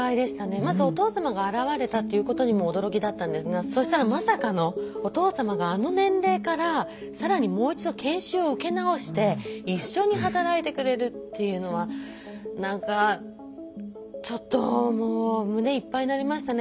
まずお父様が現れたということにも驚きだったんですがそしたらまさかのお父様があの年齢から更にもう一度研修を受け直して一緒に働いてくれるっていうのはなんかちょっともう胸いっぱいになりましたね。